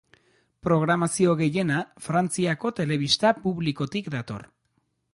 Programazio gehiena Frantziako telebista publikotik dator.